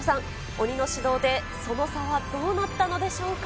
鬼の指導でその差はどうなったのでしょうか。